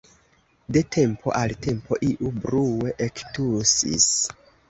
De tempo al tempo iu brue ektusis.